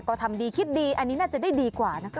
ก็ทำดีคิดดีอันนี้น่าจะได้ดีกว่านะคะ